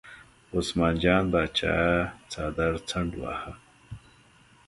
عثمان جان پاچا څادر څنډ واهه.